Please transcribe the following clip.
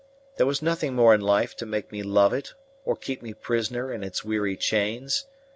There was nothing more in life to make me love it or keep me prisoner in its weary chains.